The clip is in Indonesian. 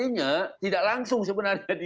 nah tidak langsung sebenarnya dia